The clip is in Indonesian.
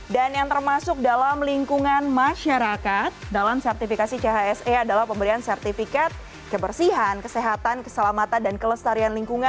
dan yang termasuk dalam lingkungan masyarakat dalam sertifikasi chse adalah pemberian sertifikat kebersihan kesehatan keselamatan dan kelestarian lingkungan